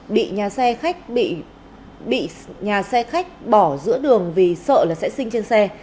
bị nhà xe khách bỏ giữa đường vì sợ là sẽ sinh trên xe